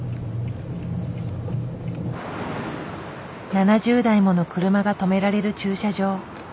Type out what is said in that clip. ７０台もの車が止められる駐車場。